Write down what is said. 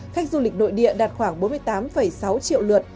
khách du lịch nội địa đạt khoảng bốn mươi tám sáu triệu lượt